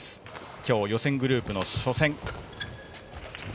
今日、予選グループの初戦。